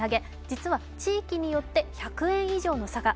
実は地域によって、１００円以上の差が。